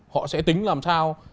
họ sẽ tính làm sao